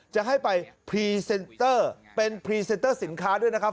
จะให้ไปพรีเซนเตอร์เป็นพรีเซนเตอร์สินค้าด้วยนะครับ